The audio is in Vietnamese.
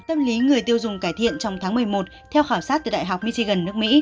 tâm lý người tiêu dùng cải thiện trong tháng một mươi một theo khảo sát từ đại học michigan nước mỹ